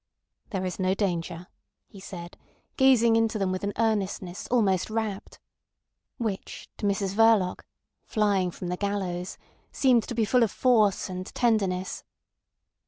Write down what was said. "There is no danger," he said, gazing into them with an earnestness almost rapt, which to Mrs Verloc, flying from the gallows, seemed to be full of force and tenderness.